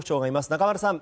中丸さん